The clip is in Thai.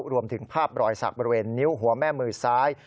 รวมถึงภาพรอยสักบริเวณนิ้วหัวแม่มือซ้าย